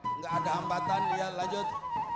tidak ada hambatan dia lanjut